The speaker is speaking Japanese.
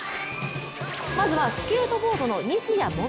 まずはスケートボードの西矢椛。